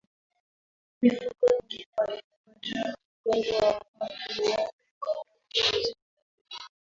Mifugo mingine wanaopata ugonjwa wa mapafu ni ngombe kndoo na mbuzi